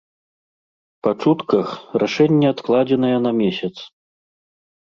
Па чутках, рашэнне адкладзенае на месяц.